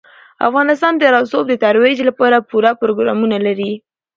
افغانستان د رسوب د ترویج لپاره پوره پروګرامونه لري.